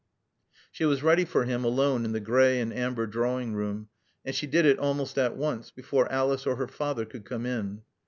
She was ready for him, alone in the gray and amber drawing room, and she did it almost at once, before Alice or her father could come in.